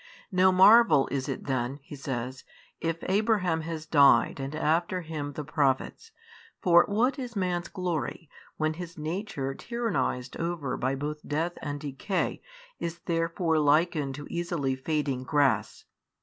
No marvel is it then (He says) if Abraham has died and after him the prophets; for what is man's glory, when his nature tyrannized over by both death and decay is therefore likened to easily fading grass?